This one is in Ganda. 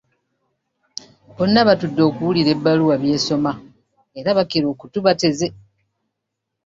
Bonna baatudde okuwulira bbaluwa by’esoma era bakira okutu bateze.